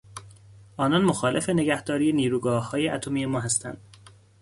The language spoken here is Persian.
آنان مخالف نگهداری نیروگاههای اتمی ما هستند.